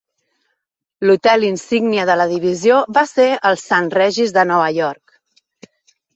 L'hotel insígnia de la divisió va ser el Saint Regis de Nova York.